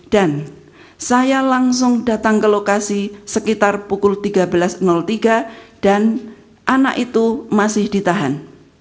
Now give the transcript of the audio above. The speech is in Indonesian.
dan saya langsung datang ke lokasi sekitar pukul tiga belas tiga dan anak itu masih ditahan